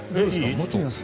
持ってみます？